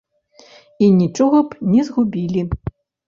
І нічога б не згубілі.